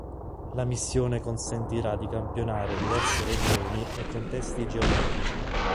La missione consentirà di campionare diverse regioni e contesti geologici.